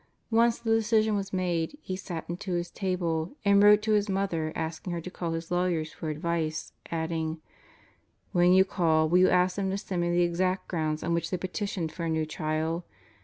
Once the decision was made, he sat into his table and wrote to his mother asking her to call his lawyers for advice, adding: When you call will you ask them to send me the exact grounds on which they petitioned for a new trial?